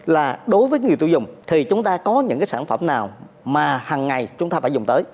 là đối với người tiêu dùng thì chúng ta có những cái sản phẩm nào mà hằng ngày chúng ta phải dùng tới